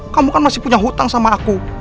kamu kan masih punya hutang sama aku